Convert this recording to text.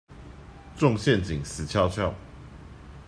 中陷阱死翹翹